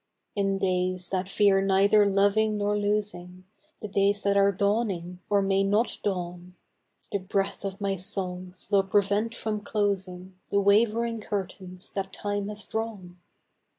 In days that fear neither loving nor losing, The days that are dawning or may not dawn, The breath of my songs will prevent from closing The wavering curtains that Time has drawn.